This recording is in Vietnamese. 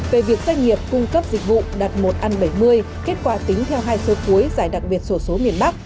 về việc doanh nghiệp cung cấp dịch vụ đặt một a bảy mươi kết quả tính theo hai sơ cuối giải đặc biệt sổ số miền bắc